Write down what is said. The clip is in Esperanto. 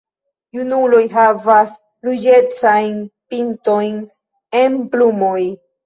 Junuloj havas ruĝecajn pintojn en plumoj.